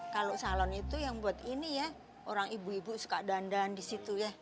kalo salon itu yang buat ini ya orang ibu ibu suka dandan disitu ya